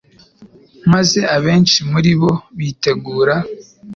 maze abenshi muri bo bitegura